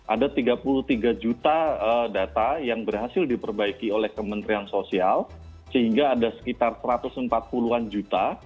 ada tiga puluh tiga juta data yang berhasil diperbaiki oleh kementerian sosial sehingga ada sekitar satu ratus empat puluh an juta